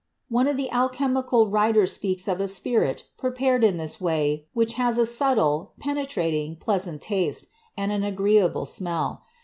One of the alchemical writers speaks of a spirit prepared in this way which has a "subtle, penetrating, pleasant taste, and an agreeable smell."